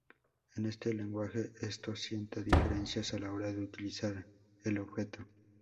En este lenguaje esto sienta diferencias a la hora de utilizar el objeto.